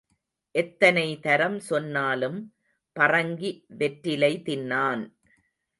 எத்தனை தரம் சொன்னாலும் பறங்கி வெற்றிலை தின்னான்.